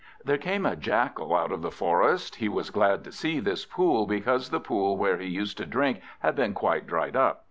There came a Jackal out of the forest. He was glad to see this pool, because the pool where he used to drink had been quite dried up.